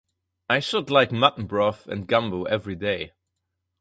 I should like mutton broth and gumbo every day.